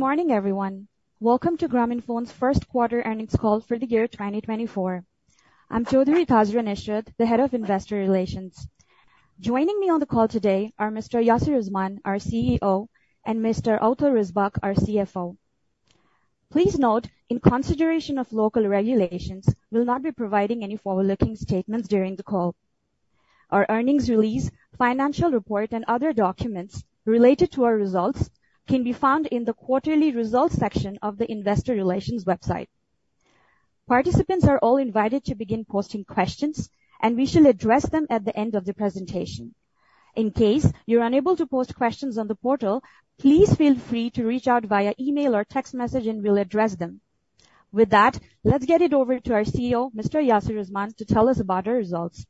Good morning, everyone. Welcome to Grameenphone's first quarter earnings call for the year 2024. I'm Chowdhury Tazrian Israt, the Head of Investor Relations. Joining me on the call today are Mr. Yasir Azman, our CEO, and Mr. Otto Risbakk, our CFO. Please note, in consideration of local regulations, we'll not be providing any forward-looking statements during the call. Our earnings release, financial report, and other documents related to our results can be found in the Quarterly Results section of the investor relations website. Participants are all invited to begin posting questions, and we shall address them at the end of the presentation. In case you're unable to post questions on the portal, please feel free to reach out via email or text message, and we'll address them. With that, let's get it over to our CEO, Mr. Yasir Azman, to tell us about our results. Thank you,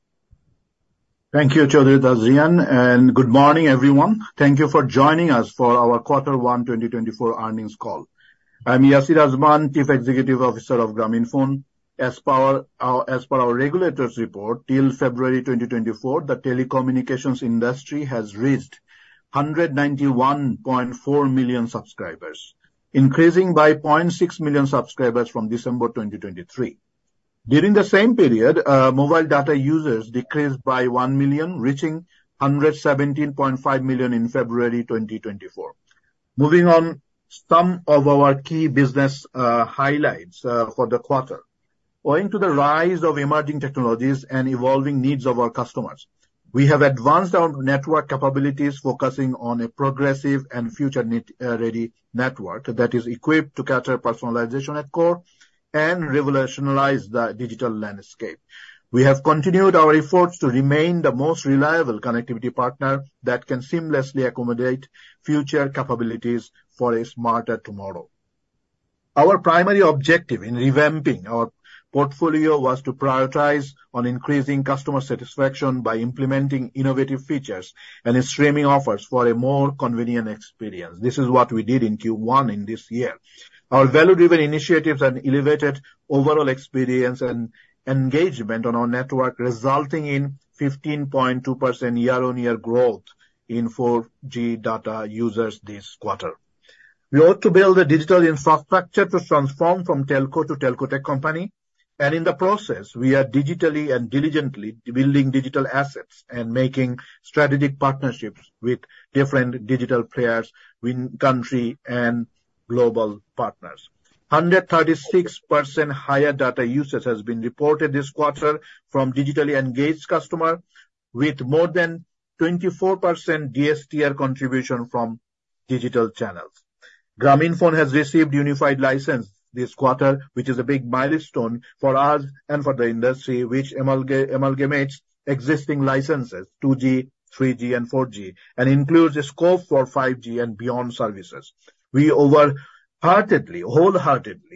Chowdhury Tazrian, and good morning, everyone. Thank you for joining us for our quarter one 2024 earnings call. I'm Yasir Azman, Chief Executive Officer of Grameenphone. As per our regulator's report, till February 2024, the telecommunications industry has reached 191.4 million subscribers, increasing by 0.6 million subscribers from December 2023. During the same period, mobile data users decreased by 1 million, reaching 117.5 million in February 2024. Moving on, some of our key business highlights for the quarter. Owing to the rise of emerging technologies and evolving needs of our customers, we have advanced our network capabilities, focusing on a progressive and future-ready network that is equipped to cater personalization at core and revolutionize the digital landscape. We have continued our efforts to remain the most reliable connectivity partner that can seamlessly accommodate future capabilities for a smarter tomorrow. Our primary objective in revamping our portfolio was to prioritize on increasing customer satisfaction by implementing innovative features and streaming offers for a more convenient experience. This is what we did in Q1 in this year. Our value-driven initiatives and elevated overall experience and engagement on our network, resulting in 15.2% year-on-year growth in 4G data users this quarter. We ought to build a digital infrastructure to transform from telco to telco tech company, and in the process, we are digitally and diligently building digital assets and making strategic partnerships with different digital players in country and global partners. 136% higher data usage has been reported this quarter from digitally engaged customer, with more than 24% DSTR contribution from digital channels. Grameenphone has received Unified License this quarter, which is a big milestone for us and for the industry, which amalgamates existing licenses, 2G, 3G and 4G, and includes a scope for 5G and beyond services. We wholeheartedly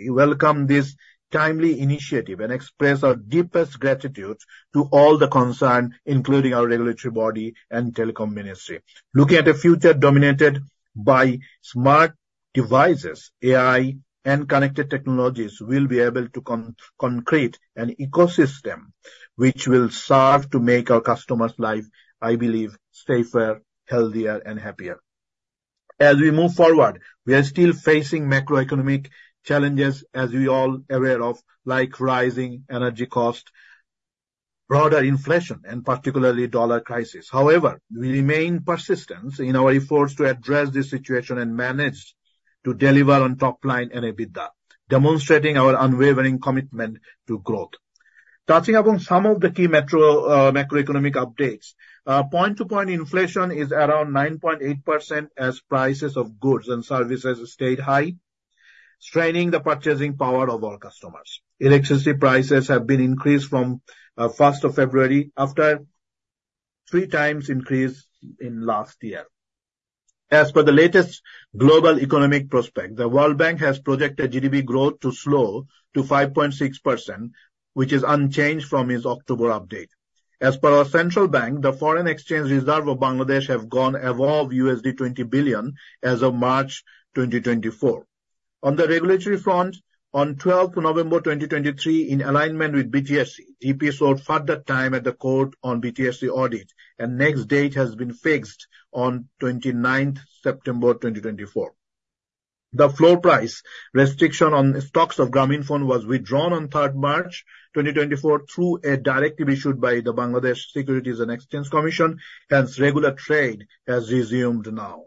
welcome this timely initiative and express our deepest gratitude to all the concerned, including our regulatory body and telecom ministry. Looking at a future dominated by smart devices, AI, and connected technologies, we'll be able to concrete an ecosystem which will serve to make our customers' life, I believe, safer, healthier and happier. As we move forward, we are still facing macroeconomic challenges, as we are all aware of, like rising energy cost, broader inflation, and particularly dollar crisis. However, we remain persistent in our efforts to address this situation and manage to deliver on top line and EBITDA, demonstrating our unwavering commitment to growth. Touching upon some of the key metro, macroeconomic updates, point-to-point inflation is around 9.8% as prices of goods and services stayed high, straining the purchasing power of our customers. Electricity prices have been increased from, first of February, after three times increase in last year. As per the latest global economic prospect, the World Bank has projected GDP growth to slow to 5.6%, which is unchanged from its October update. As per our central bank, the foreign exchange reserve of Bangladesh have gone above $20 billion as of March 2024. On the regulatory front, on 12th November 2023, in alignment with BTRC, GP sought further time at the court on BTRC audit, and next date has been fixed on 29th September 2024. The floor price restriction on stocks of Grameenphone was withdrawn on March 3rd, 2024, through a directive issued by the Bangladesh Securities and Exchange Commission, hence regular trade has resumed now.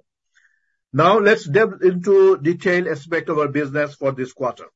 Now, let's dive into detailed aspect of our business for this quarter.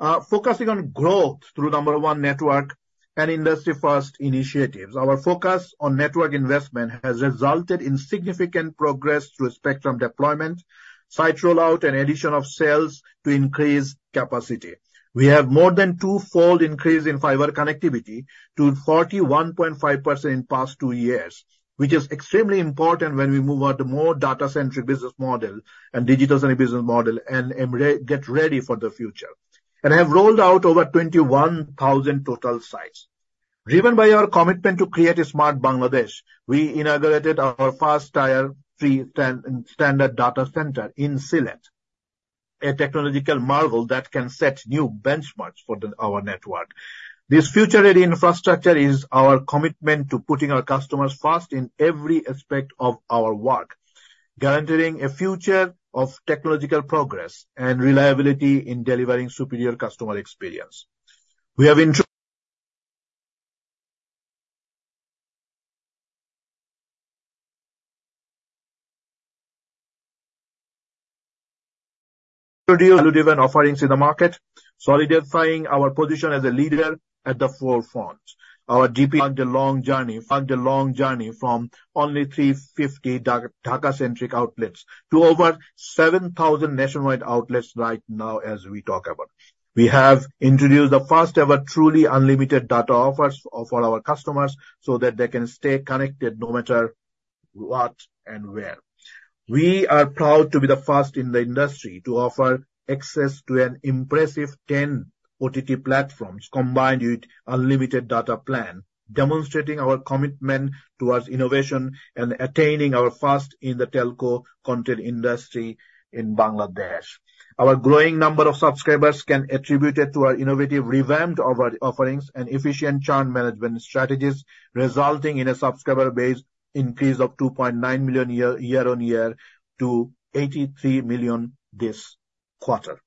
Focusing on growth through number one network and industry-first initiatives, our focus on network investment has resulted in significant progress through spectrum deployment, site rollout, and addition of sales to increase capacity. We have more than twofold increase in fiber connectivity to 41.5% in past two years, which is extremely important when we move on to more data-centric business model and digital-centric business model and get ready for the future, and have rolled out over 21,000 total sites. Driven by our commitment to create a smart Bangladesh, we inaugurated our first Tier III standard data center in Sylhet, a technological marvel that can set new benchmarks for our network. This future-ready infrastructure is our commitment to putting our customers first in every aspect of our work... guaranteeing a future of technological progress and reliability in delivering superior customer experience. We have introduced value-driven offerings in the market, solidifying our position as a leader at the forefront. Our GP on the long journey, on the long journey from only 350 Dhaka-centric outlets to over 7,000 nationwide outlets right now, as we talk about. We have introduced the first-ever truly unlimited data offers of all our customers, so that they can stay connected no matter what and where. We are proud to be the first in the industry to offer access to an impressive 10 OTT platforms, combined with unlimited data plan, demonstrating our commitment towards innovation and attaining our first in the telco content industry in Bangladesh. Our growing number of subscribers can attribute it to our innovative revamped offer- offerings and efficient churn management strategies, resulting in a subscriber base increase of 2.9 million year-on-year to 83 million this quarter.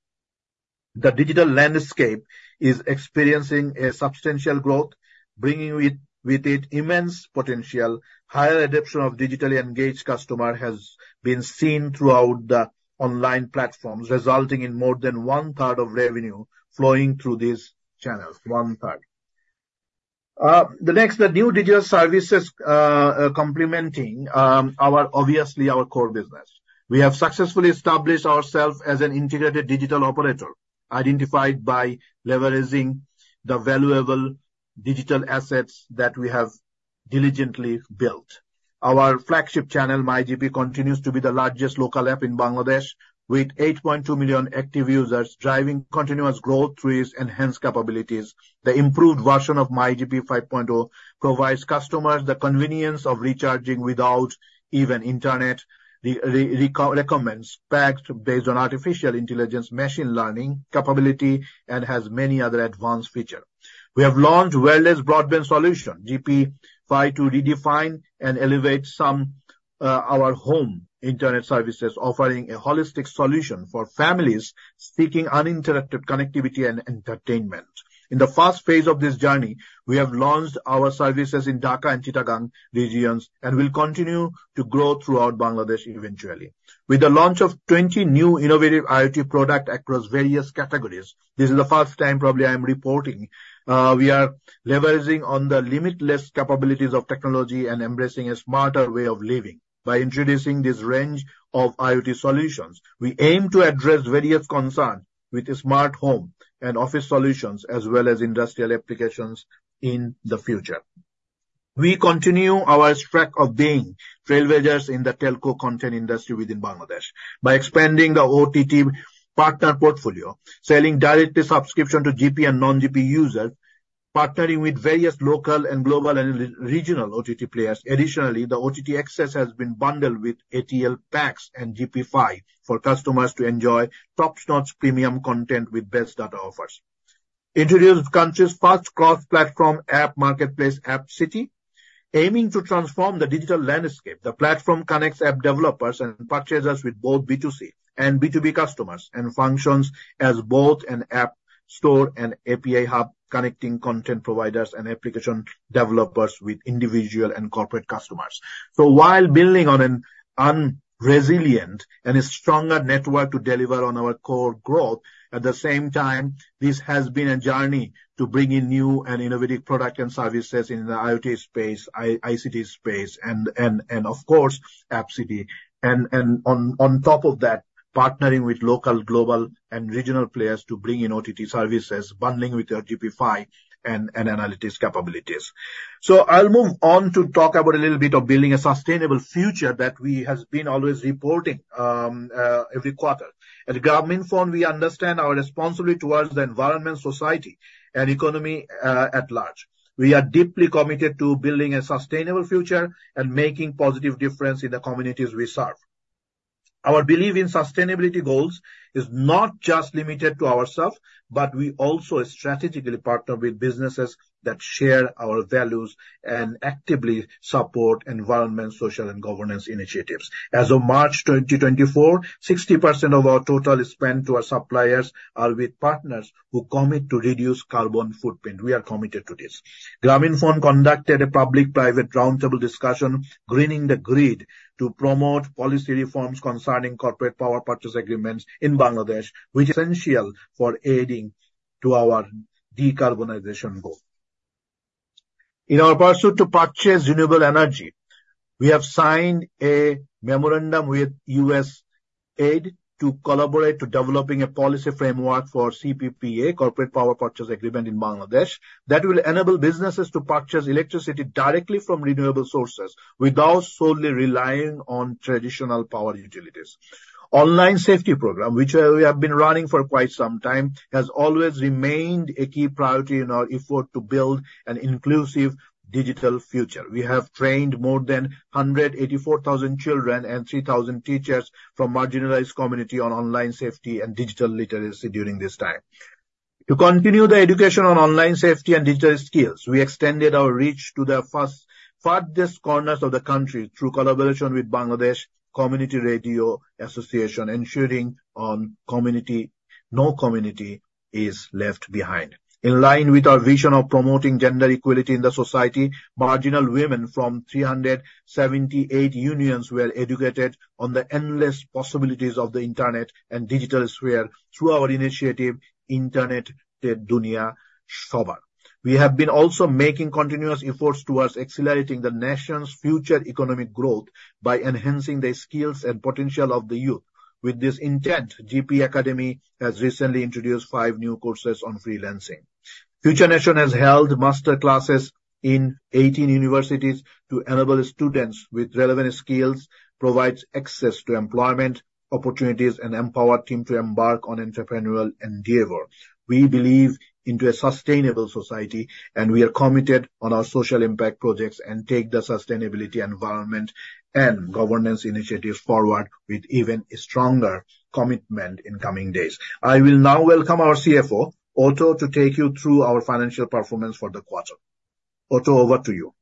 The digital landscape is experiencing a substantial growth, bringing with it immense potential. Higher adoption of digitally engaged customer has been seen throughout the online platforms, resulting in more than 1/3 of revenue flowing through these channels. 1/3. The new digital services complementing our obviously our core business. We have successfully established ourselves as an integrated digital operator, identified by leveraging the valuable digital assets that we have diligently built. Our flagship channel, MyGP, continues to be the largest local app in Bangladesh, with 8.2 million active users, driving continuous growth through its enhanced capabilities. The improved version of MyGP 5.0 provides customers the convenience of recharging without even internet. It recommends packs based on artificial intelligence, machine learning capability, and has many other advanced feature. We have launched wireless broadband solution, GPFi, to redefine and elevate our home internet services, offering a holistic solution for families seeking uninterrupted connectivity and entertainment. In the first phase of this journey, we have launched our services in Dhaka and Chittagong regions and will continue to grow throughout Bangladesh eventually. With the launch of 20 new innovative IoT product across various categories, this is the first time probably I'm reporting, we are leveraging on the limitless capabilities of technology and embracing a smarter way of living. By introducing this range of IoT solutions, we aim to address various concerns with smart home and office solutions as well as industrial applications in the future. We continue our track of being trailblazers in the telco content industry within Bangladesh by expanding the OTT partner portfolio, selling direct subscription to GP and non-GP users, partnering with various local and global and regional OTT players. Additionally, the OTT access has been bundled with ATL packs and GPFi for customers to enjoy top-notch premium content with best data offers. Introduced country's first cross-platform app marketplace, AppCity, aiming to transform the digital landscape. The platform connects app developers and purchasers with both B2C and B2B customers, and functions as both an app store and API hub, connecting content providers and application developers with individual and corporate customers. So while building on an unresilient and a stronger network to deliver on our core growth, at the same time, this has been a journey to bring in new and innovative products and services in the IoT space, ICT space and of course, AppCity. And on top of that, partnering with local, global, and regional players to bring in OTT services, bundling with our GPFi and analytics capabilities. So I'll move on to talk about a little bit of building a sustainable future that we has been always reporting every quarter. At Grameenphone, we understand our responsibility toward the environment, society, and economy at large. We are deeply committed to building a sustainable future and making positive difference in the communities we serve. Our belief in sustainability goals is not just limited to ourselves, but we also strategically partner with businesses that share our values and actively support environment, social, and governance initiatives. As of March 2024, 60% of our total spend to our suppliers are with partners who commit to reduce carbon footprint. We are committed to this. Grameenphone conducted a public-private roundtable discussion, Greening the Grid, to promote policy reforms concerning corporate power purchase agreements in Bangladesh, which is essential for aiding to our decarbonization goal. In our pursuit to purchase renewable energy, we have signed a memorandum with USAID to collaborate to developing a policy framework for CPPA, Corporate Power Purchase Agreement, in Bangladesh, that will enable businesses to purchase electricity directly from renewable sources without solely relying on traditional power utilities. Online safety program, which, we have been running for quite some time, has always remained a key priority in our effort to build an inclusive digital future. We have trained more than 184,000 children and 3,000 teachers from marginalized community on online safety and digital literacy during this time.... To continue the education on online safety and digital skills, we extended our reach to the first, farthest corners of the country through collaboration with Bangladesh Community Radio Association, ensuring no community is left behind. In line with our vision of promoting gender equality in the society, marginal women from 378 unions were educated on the endless possibilities of the internet and digital sphere through our initiative, Internet-er Duniya Shobar. We have been also making continuous efforts towards accelerating the nation's future economic growth by enhancing the skills and potential of the youth. With this intent, GP Academy has recently introduced five new courses on freelancing. Future Nation has held master classes in 18 universities to enable students with relevant skills, provides access to employment opportunities, and empower them to embark on entrepreneurial endeavor. We believe into a sustainable society, and we are committed on our social impact projects and take the sustainability, environment, and governance initiatives forward with even stronger commitment in coming days. I will now welcome our CFO, Otto, to take you through our financial performance for the quarter. Otto, over to you.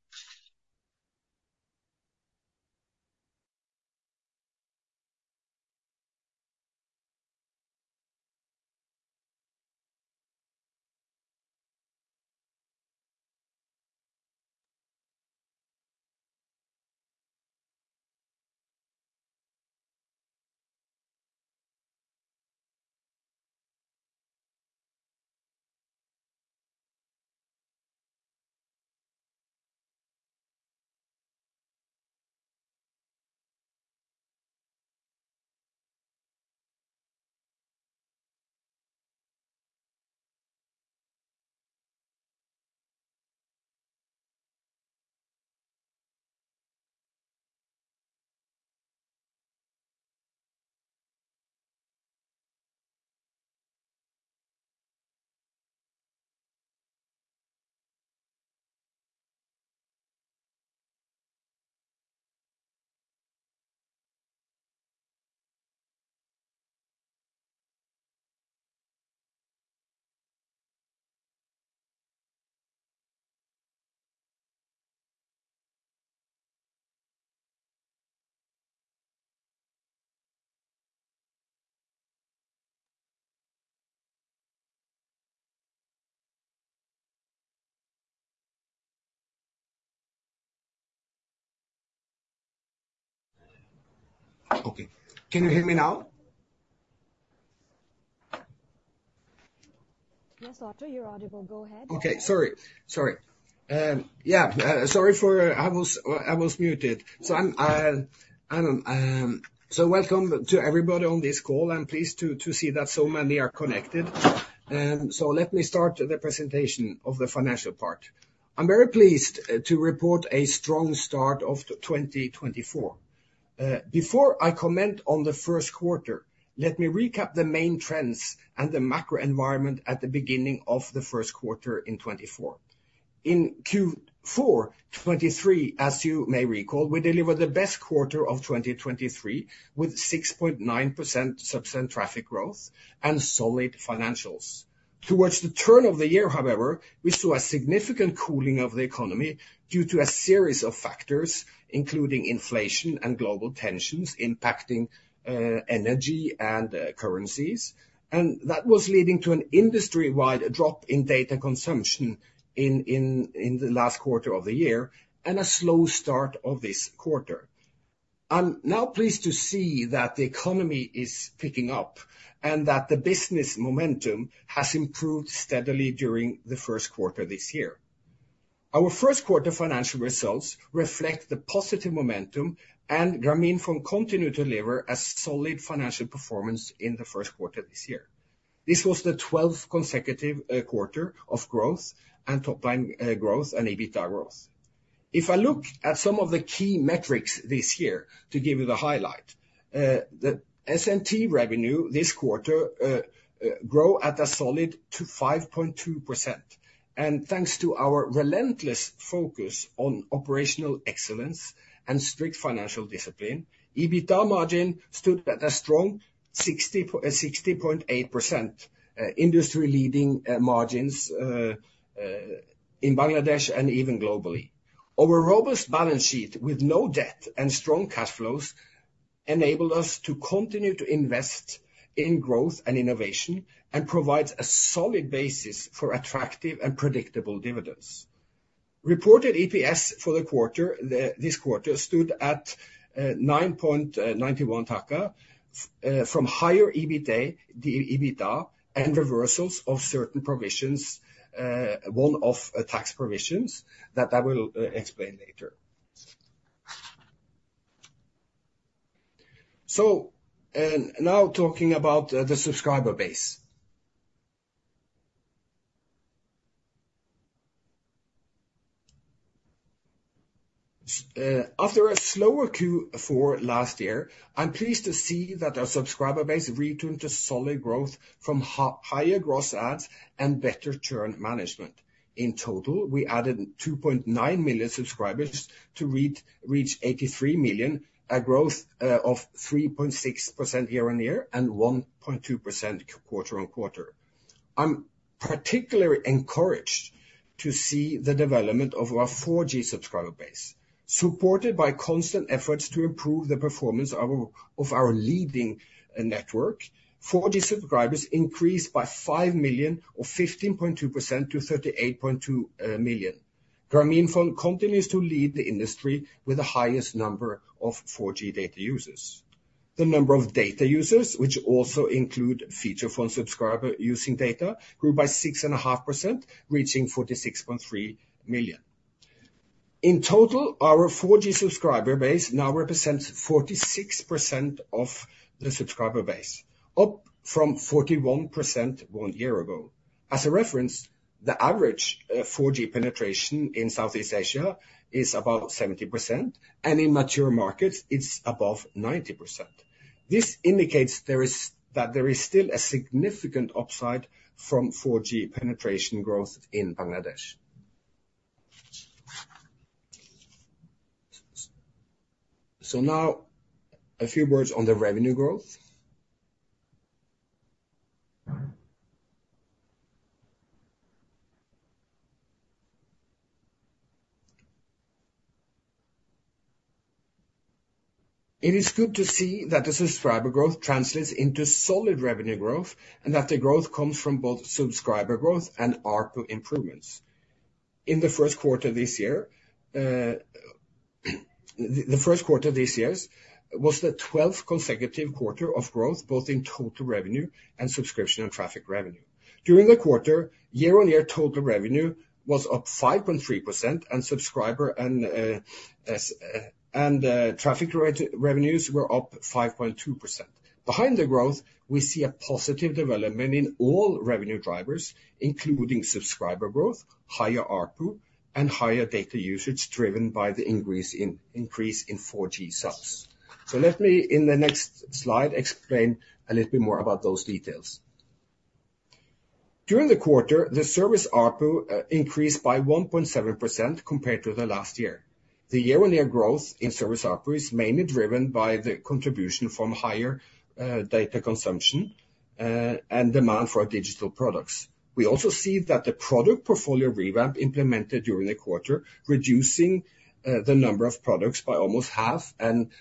Okay, can you hear me now? Yes, Otto, you're audible. Go ahead. Okay, sorry. Sorry for... I was muted. Welcome to everybody on this call. I'm pleased to see that so many are connected. So let me start the presentation of the financial part. I'm very pleased to report a strong start of 2024. Before I comment on the first quarter, let me recap the main trends and the macro environment at the beginning of the first quarter in 2024. In Q4 2023, as you may recall, we delivered the best quarter of 2023, with 6.9% subs and traffic growth and solid financials. Towards the turn of the year, however, we saw a significant cooling of the economy due to a series of factors, including inflation and global tensions impacting energy and currencies. That was leading to an industry-wide drop in data consumption in the last quarter of the year and a slow start of this quarter. I'm now pleased to see that the economy is picking up and that the business momentum has improved steadily during the first quarter this year. Our first quarter financial results reflect the positive momentum, and Grameenphone continued to deliver a solid financial performance in the first quarter this year. This was the twelfth consecutive quarter of growth and top line growth and EBITDA growth. If I look at some of the key metrics this year to give you the highlight, the S&T Revenue this quarter grow at a solid 5.2%. Thanks to our relentless focus on operational excellence and strict financial discipline, EBITDA margin stood at a strong 60.8%, industry-leading in Bangladesh and even globally. Our robust balance sheet, with no debt and strong cash flows, enabled us to continue to invest in growth and innovation and provides a solid basis for attractive and predictable dividends. Reported EPS for the quarter, this quarter, stood at BDT 9.91 from higher EBITDA and reversals of certain provisions, one of tax provisions that I will explain later. So, now talking about the subscriber base. After a slower Q4 last year, I'm pleased to see that our subscriber base returned to solid growth from higher gross adds and better churn management. In total, we added 2.9 million subscribers to reach 83 million, a growth of 3.6% year-on-year and 1.2% quarter-on-quarter. I'm particularly encouraged to see the development of our 4G subscriber base, supported by constant efforts to improve the performance of our leading network. 4G subscribers increased by 5 million or 15.2% to 38.2 million. Grameenphone continues to lead the industry with the highest number of 4G data users. The number of data users, which also include feature phone subscriber using data, grew by 6.5%, reaching 46.3 million. In total, our 4G subscriber base now represents 46% of the subscriber base, up from 41% one year ago. As a reference, the average 4G penetration in Southeast Asia is about 70%, and in mature markets, it's above 90%. This indicates that there is still a significant upside from 4G penetration growth in Bangladesh. So now a few words on the revenue growth. It is good to see that the subscriber growth translates into solid revenue growth, and that the growth comes from both subscriber growth and ARPU improvements. In the first quarter this year, the first quarter of this year was the twelfth consecutive quarter of growth, both in total revenue and subscription and traffic revenue. During the quarter, year-on-year total revenue was up 5.3%, and subscriber and traffic revenues were up 5.2%. Behind the growth, we see a positive development in all revenue drivers, including subscriber growth, higher ARPU, and higher data usage, driven by the increase in 4G subs. So let me, in the next slide, explain a little bit more about those details. During the quarter, the service ARPU increased by 1.7% compared to the last year. The year-on-year growth in service ARPU is mainly driven by the contribution from higher data consumption and demand for our digital products. We also see that the product portfolio revamp implemented during the quarter, reducing the number of products by almost half, and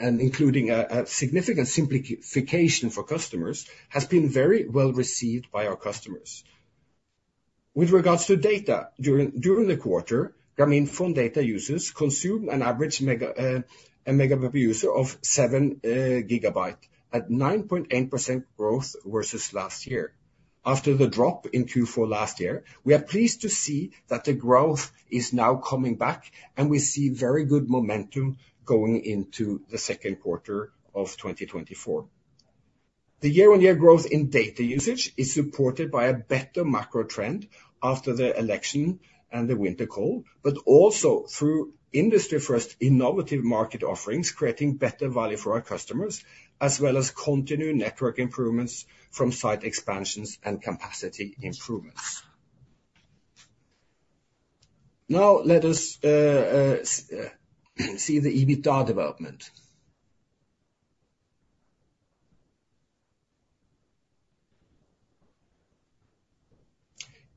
including a significant simplification for customers, has been very well received by our customers. With regards to data, during the quarter, Grameenphone data users consumed an average megabyte user of 7 GB at 9.8% growth versus last year. After the drop in Q4 last year, we are pleased to see that the growth is now coming back, and we see very good momentum going into the second quarter of 2024. The year-on-year growth in data usage is supported by a better macro trend after the election and the winter cold, but also through industry-first innovative market offerings, creating better value for our customers, as well as continued network improvements from site expansions and capacity improvements. Now let us see the EBITDA development.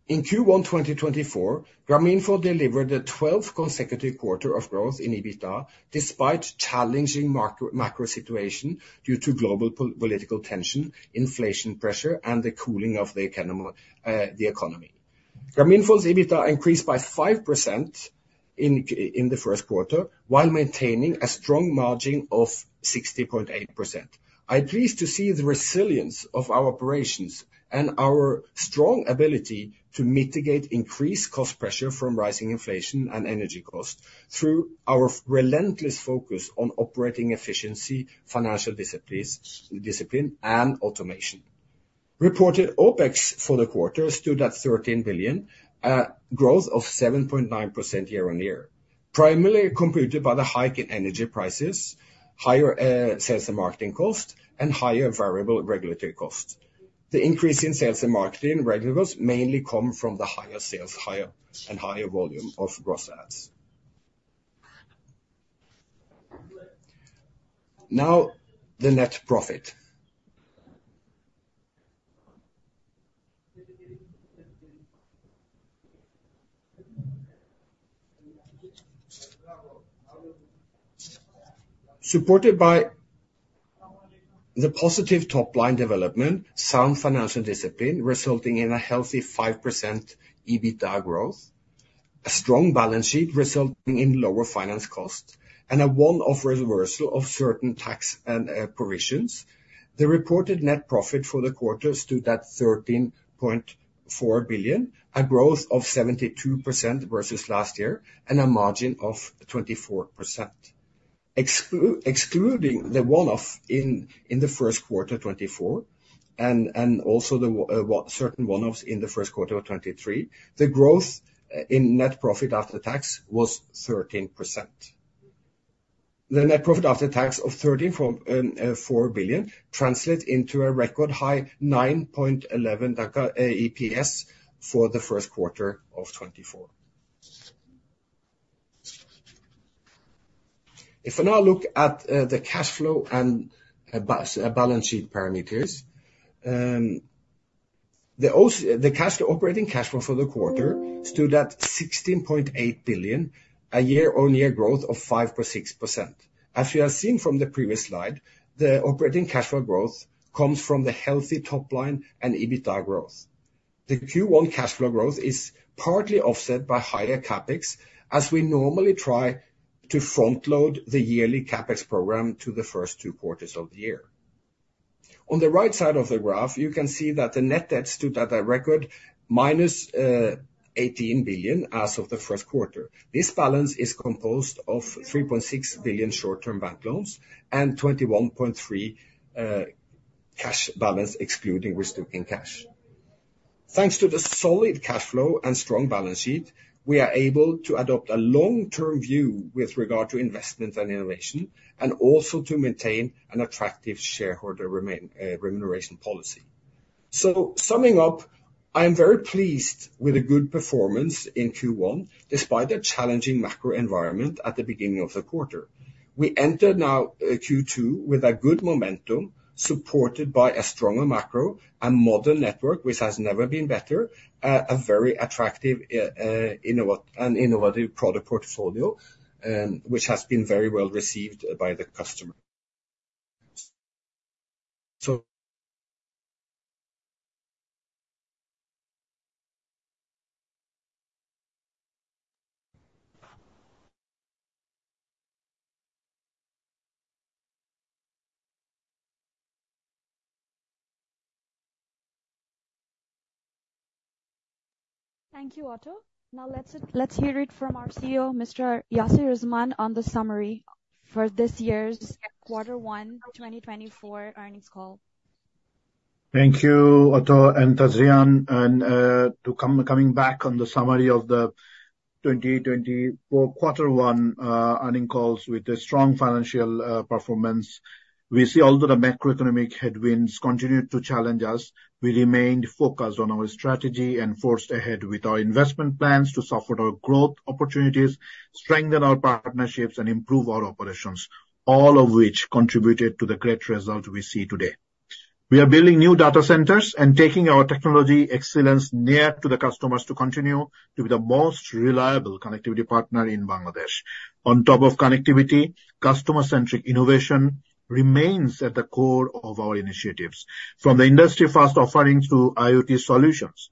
In Q1 2024, Grameenphone delivered the twelfth consecutive quarter of growth in EBITDA, despite challenging macro situation due to global political tension, inflation pressure, and the cooling of the economy. Grameenphone's EBITDA increased by 5% in the first quarter, while maintaining a strong margin of 60.8%. I'm pleased to see the resilience of our operations and our strong ability to mitigate increased cost pressure from rising inflation and energy costs through our relentless focus on operating efficiency, financial discipline, and automation. Reported OpEx for the quarter stood at BDT 13 billion, a growth of 7.9% year-on-year, primarily contributed by the hike in energy prices, higher sales and marketing cost, and higher variable regulatory cost. The increase in sales and marketing revenues mainly come from the higher sales and higher volume of gross adds. Now, the net profit. Supported by the positive top-line development, sound financial discipline resulting in a healthy 5% EBITDA growth, a strong balance sheet resulting in lower finance costs, and a one-off reversal of certain tax and provisions, the reported net profit for the quarter stood at BDT 13.4 billion, a growth of 72% versus last year, and a margin of 24%. Excluding the one-off in the first quarter of 2024 and also certain one-offs in the first quarter of 2023, the growth in net profit after tax was 13%. The net profit after tax of BDT 13.4 billion translates into a record high BDT 9.11 EPS for the first quarter of 2024. If we now look at the cash flow and balance sheet parameters, the operating cash flow for the quarter stood at BDT 16.8 billion, a year-on-year growth of 5.6%. As you have seen from the previous slide, the operating cash flow growth comes from the healthy top line and EBITDA growth. The Q1 cash flow growth is partly offset by higher CapEx, as we normally try to front load the yearly CapEx program to the first two quarters of the year. On the right side of the graph, you can see that the net debt stood at a record minus eighteen billion as of the first quarter. This balance is composed of BDT 3.6 billion short-term bank loans and BDT 21.3 billion cash balance, excluding restricted cash. Thanks to the solid cash flow and strong balance sheet, we are able to adopt a long-term view with regard to investment and innovation, and also to maintain an attractive shareholder remuneration policy. So summing up, I am very pleased with the good performance in Q1, despite the challenging macro environment at the beginning of the quarter. We enter now Q2 with a good momentum, supported by a stronger macro and modern network, which has never been better. A very attractive an innovative product portfolio, which has been very well received by the customer. So- Thank you, Otto. Now let's hear it from our CEO, Mr. Yasir Azman, on the summary for this year's Q1 2024 earnings call. Thank you, Otto and Tazrian. Coming back on the summary of the 2024 quarter one earnings call with a strong financial performance. We see, although the macroeconomic headwinds continued to challenge us, we remained focused on our strategy and forged ahead with our investment plans to support our growth opportunities, strengthen our partnerships, and improve our operations, all of which contributed to the great result we see today. We are building new data centers and taking our technology excellence near to the customers to continue to be the most reliable connectivity partner in Bangladesh. On top of connectivity, customer-centric innovation remains at the core of our initiatives. From the industry-first offerings to IoT solutions,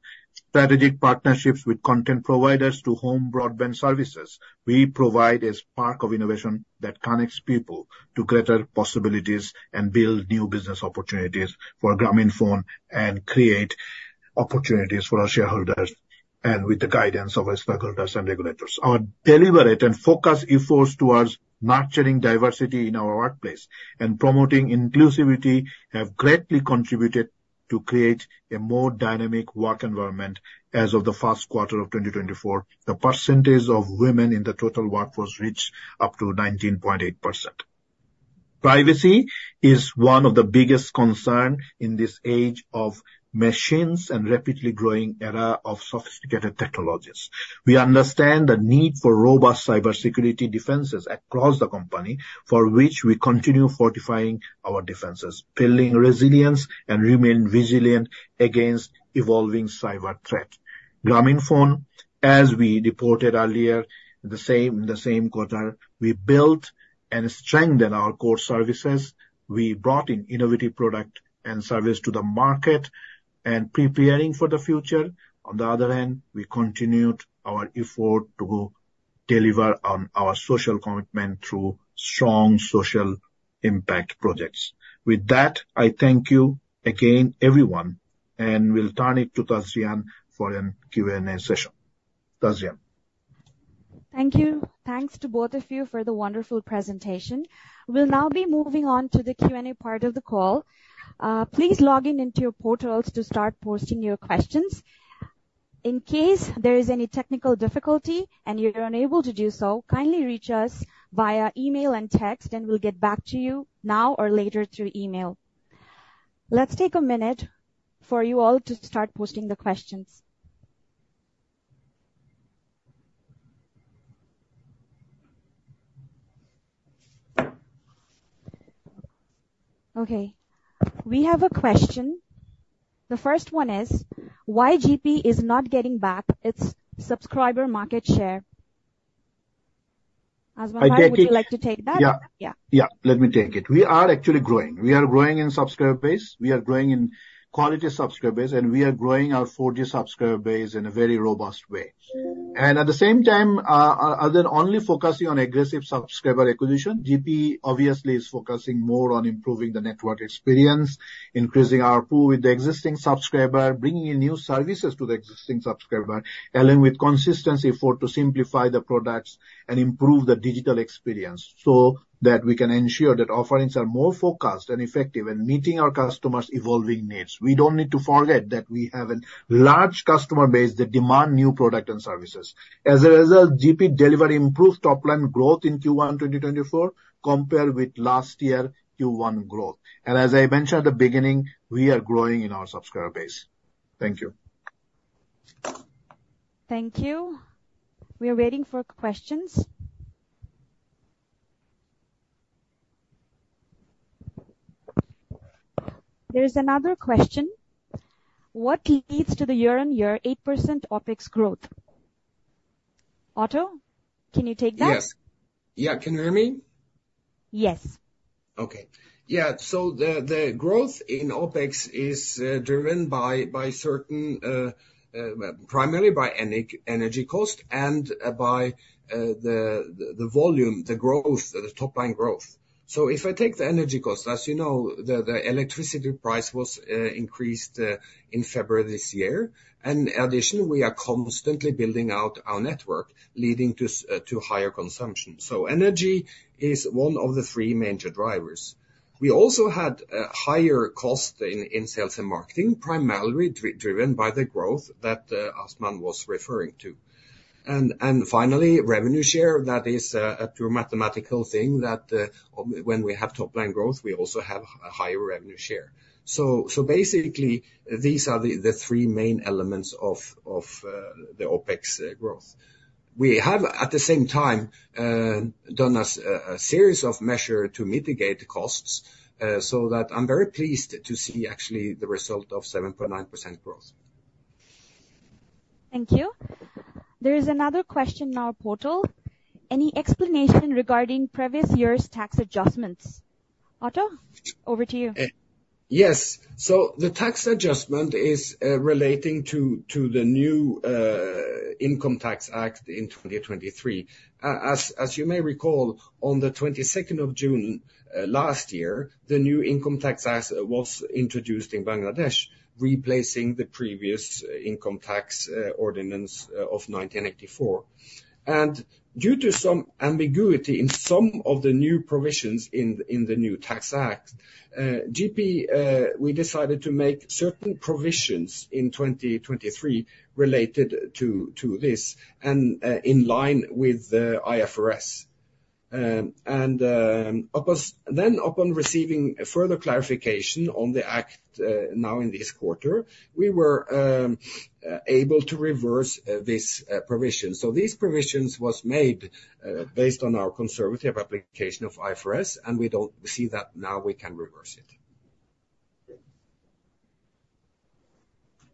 strategic partnerships with content providers to home broadband services, we provide a spark of innovation that connects people to greater possibilities and build new business opportunities for Grameenphone, and create opportunities for our shareholders, and with the guidance of our stakeholders and regulators. Our deliberate and focused efforts towards nurturing diversity in our workplace and promoting inclusivity have greatly contributed to create a more dynamic work environment as of the first quarter of 2024. The percentage of women in the total workforce reached up to 19.8%. Privacy is one of the biggest concern in this age of machines and rapidly growing era of sophisticated technologies. We understand the need for robust cybersecurity defenses across the company, for which we continue fortifying our defenses, building resilience, and remain vigilant against evolving cyber threat. Grameenphone, as we reported earlier, the same quarter, we built and strengthened our core services. We brought in innovative product and service to the market and preparing for the future. On the other hand, we continued our effort to deliver on our social commitment through strong social impact projects. With that, I thank you again, everyone, and we'll turn it to Tazrian for a Q&A session. Tazrian? Thank you. Thanks to both of you for the wonderful presentation. We'll now be moving on to the Q&A part of the call. Please log in into your portals to start posting your questions. In case there is any technical difficulty and you're unable to do so, kindly reach us via email and text, and we'll get back to you now or later through email. Let's take a minute for you all to start posting the questions. Okay, we have a question. The first one is: Why GP is not getting back its subscriber market share? Mr. Azman, would you like to take that? Yeah. Yeah. Yeah, let me take it. We are actually growing. We are growing in subscriber base, we are growing in quality subscriber base, and we are growing our 4G subscriber base in a very robust way. And at the same time, other than only focusing on aggressive subscriber acquisition, GP obviously is focusing more on improving the network experience, increasing our pool with the existing subscriber, bringing in new services to the existing subscriber, along with consistency to simplify the products and improve the digital experience, so that we can ensure that offerings are more focused and effective in meeting our customers' evolving needs. We don't need to forget that we have a large customer base that demand new product and services. As a result, GP delivered improved top line growth in Q1 2024 compared with last year Q1 growth. As I mentioned at the beginning, we are growing in our subscriber base. Thank you.... Thank you. We are waiting for questions. There is another question: What leads to the year-on-year 8% OpEx growth? Otto, can you take that? Yes. Yeah, can you hear me? Yes. Okay. Yeah, so the growth in OpEx is driven by certain well, primarily by energy cost and by the volume, the growth, the top line growth. So if I take the energy cost, as you know, the electricity price was increased in February this year. And additionally, we are constantly building out our network, leading to higher consumption. So energy is one of the three major drivers. We also had higher cost in sales and marketing, primarily driven by the growth that Azman was referring to. And finally, revenue share, that is a pure mathematical thing, that when we have top line growth, we also have a higher revenue share. So, basically, these are the three main elements of the OpEx growth. We have, at the same time, done a series of measures to mitigate the costs, so that I'm very pleased to see actually the result of 7.9% growth. Thank you. There is another question in our portal. Any explanation regarding previous year's tax adjustments? Otto, over to you. Yes. So the tax adjustment is relating to the new income tax act in 2023. As you may recall, on the 22nd of June last year, the new income tax act was introduced in Bangladesh, replacing the previous income tax ordinance of 1984. And due to some ambiguity in some of the new provisions in the new tax act, GP we decided to make certain provisions in 2023 related to this and in line with the IFRS. Then upon receiving further clarification on the act, now in this quarter, we were able to reverse this provision. So these provisions was made based on our conservative application of IFRS, and we don't see that now we can reverse it.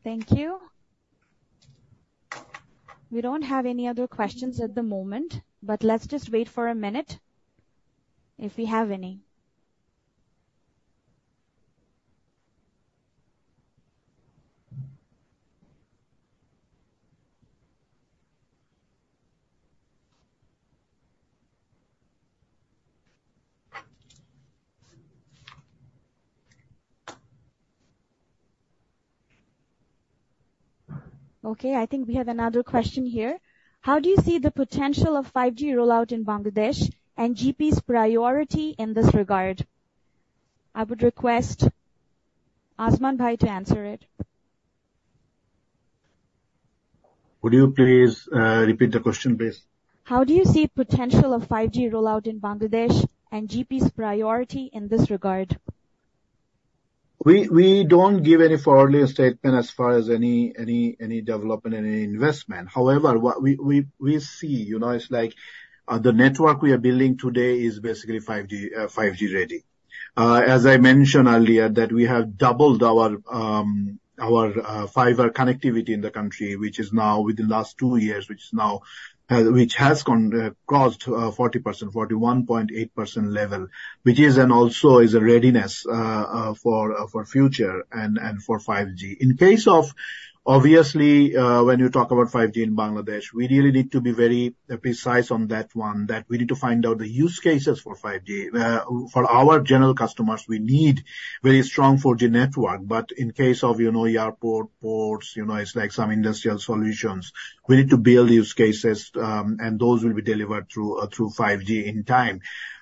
Thank you. We don't have any other questions at the moment, but let's just wait for a minute if we have any. Okay, I think we have another question here: How do you see the potential of 5G rollout in Bangladesh and GP's priority in this regard? I would request Azman Bhai to answer it. Would you please, repeat the question, please? How do you see potential of 5G rollout in Bangladesh and GP's priority in this regard? We don't give any forward-looking statement as far as any development, any investment. However, what we see, you know, it's like, the network we are building today is basically 5G ready. As I mentioned earlier, that we have doubled our fiber connectivity in the country, which is now within last two years, which has gone crossed 40%, 41.8% level, which is then also is a readiness for future and for 5G. In case of obviously, when you talk about 5G in Bangladesh, we really need to be very precise on that one, that we need to find out the use cases for 5G. For our general customers, we need very strong 4G network, but in case of, you know, airport, ports, you know, it's like some industrial solutions. We need to build use cases, and those will be delivered through 5G in time.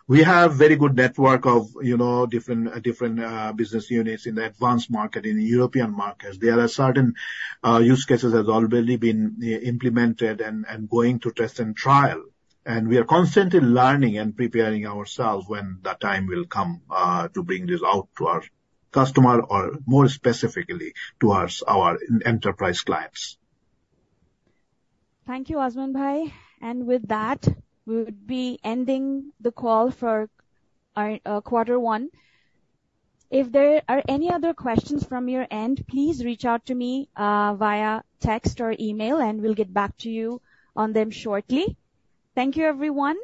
We have very good network of, you know, different business units in the advanced market, in the European markets. There are certain use cases that have already been implemented and going through test and trial. And we are constantly learning and preparing ourselves when the time will come to bring this out to our customer, or more specifically, to our enterprise clients. Thank you, Azman Bhai. And with that, we would be ending the call for our quarter one. If there are any other questions from your end, please reach out to me via text or email, and we'll get back to you on them shortly. Thank you, everyone.